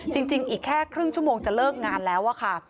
จริงอีกแค่ครึ่งชั่วโมงจะเลิกงานแล้วอะค่ะ